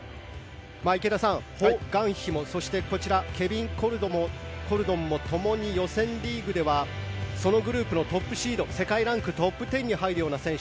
池田さん、ホ・グァンヒもこちら、ケビン・コルドンもともに予選リーグではそのグループのトップシード世界ランクトップ１０に入る選手。